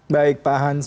baik pak hans